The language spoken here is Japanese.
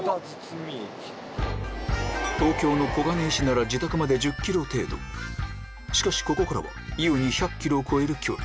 東京の小金井市なら自宅まで１０ｋｍ程度しかしここからは優に１００ｋｍを超える距離